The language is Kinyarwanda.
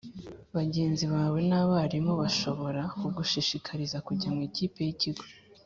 Bagenzi bawe n abarimu bashobora kugushishikariza kujya mu ikipe y ikigo